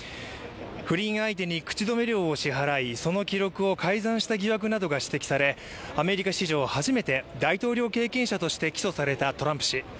不倫相手に口止め料を支払い、その記録を改ざんした疑惑などが指摘されアメリカ史上初めて大統領経験者として起訴されたトランプ氏。